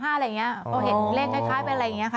๕๓๓๕อะไรอย่างนี้บอกให้เลขคล้ายเป็นไรอย่างนี้ค่ะ